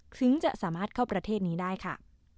ถึงจะสามารถเข้าประเทศนี้ได้ค่ะ